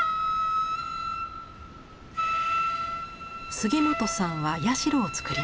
杉本さんは社を作りました。